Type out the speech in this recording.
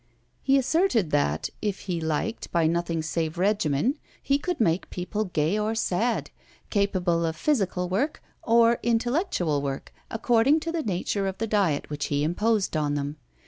He asserted that, if he liked, by nothing save regimen, he could make people gay or sad, capable of physical work or intellectual work, according to the nature of the diet which he imposed on them.